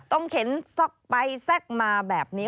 ต้องเข็นซ็อกไปแทรกมาแบบนี้